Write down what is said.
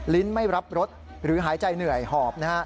ลิ้นไม่รับรถหรือหายใจเหนื่อยหอบ